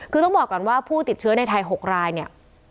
คือต้องบอกก่อนว่าผู้ติดเชื้อในไทย๖รายเนี่ย